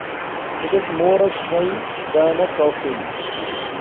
It is more a shrine than a coffin.